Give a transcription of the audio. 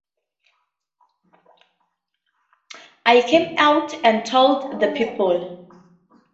I came out and told the people.